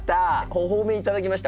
お褒めいただきました。